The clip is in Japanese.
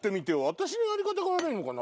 私のやり方が悪いのかな？